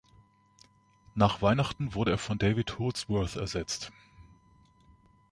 Nach Weihnachten wurde er von David Holdsworth ersetzt.